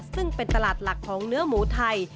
ซึ่งเป็นตลาดหลักของเนื้อหมูไทย